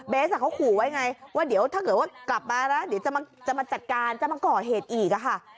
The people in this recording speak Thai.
เบสเขาขอว่าไงเดี๋ยวถ้าเกิดกลับมานะเดี๋ยวจะมาจัดการจะมาเกาะเหตุอีกอะค่ะ